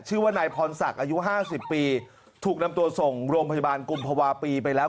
ชื่อว่านายพรศักดิ์อายุห้าสิบปีถูกนำตัวส่งโรงพยาบาลกุมภาวะปีไปแล้ว